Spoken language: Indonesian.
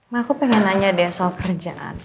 mah aku pengen nanya deh soal kerjaan